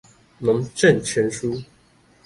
農政全書